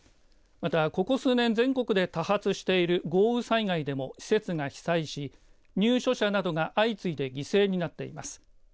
また、ここ数年全国で多発している豪雨災害でも施設が被災し入所者などが相次いで犠牲になっています。